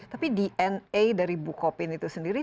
tapi dna dari bu kukmin itu sendiri